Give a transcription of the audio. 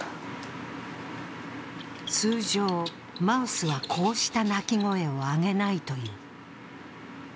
通常、マウスはこうした鳴き声を上げないという。